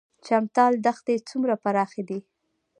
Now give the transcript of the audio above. چمتال دښتې څومره پراخې دي؟